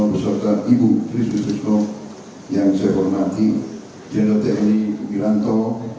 peserta ibu trisutusko yang saya hormati general tni pemiranto